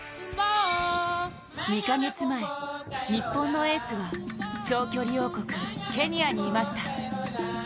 ２か月前、日本のエースは長距離王国・ケニアにいました。